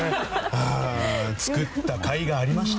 作ったかいがありました。